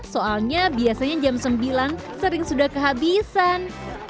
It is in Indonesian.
soalnya biasanya jam sembilan sering sudah kehabisan